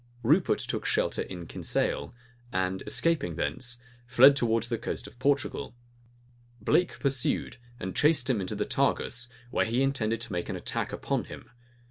Rupert took shelter in Kinsale; and escaping thence, fled towards the coast of Portugal. Blake pursued, and chased him into the Tagus, where he intended to make an attack upon him.